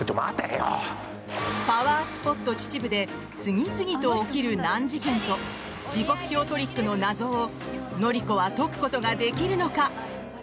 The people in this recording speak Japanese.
パワースポット、秩父で次々と起きる難事件と時刻表トリックの謎を乃里子は解くことができるのか？